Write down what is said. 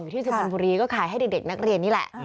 อยู่ที่สุรผนภารมูลก็ขายให้เด็กนักเรนนี่แหละ